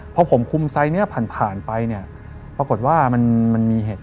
พอผมคุมสายเนื้อผ่านไปเนี่ยปรากฏว่ามันมีเหตุ